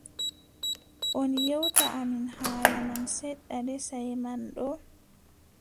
On ƴewta amin haala man seɗɗa lee saaye man ɗo ?